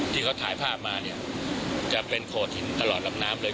ที่เขาถ่ายภาพมาเนี่ยจะเป็นโขดหินตลอดลำน้ำเลย